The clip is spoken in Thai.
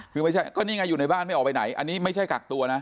คือไม่ใช่ก็นี่ไงอยู่ในบ้านไม่ออกไปไหนอันนี้ไม่ใช่กักตัวนะ